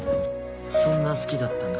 そんな好きだったんだ